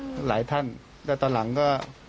หลายท่านแต่ตอนหลังก็